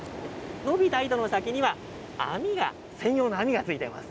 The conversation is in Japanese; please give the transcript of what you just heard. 伸びた糸の先には網が、専用の網がついています。